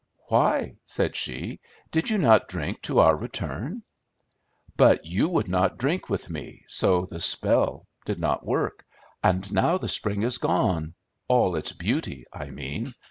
"Why?" said she. "Did you not drink to our return?" "But you would not drink with me, so the spell did not work; and now the spring is gone, all its beauty, I mean.